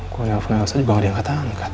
gue nelfon nielsa juga gak ada yang kata angkat